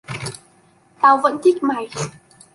tao vẫn thích mày